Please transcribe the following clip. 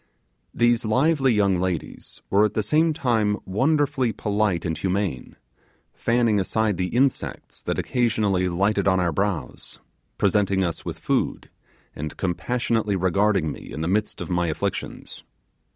These lively young ladies were at the same time wonderfully polite and humane; fanning aside the insects that occasionally lighted on our brows; presenting us with food; and compassionately regarding me in the midst of my afflictions.